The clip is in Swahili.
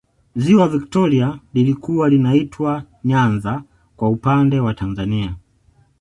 ziwa victoria lilikuwa linaitwa nyanza kwa upande wa tanzania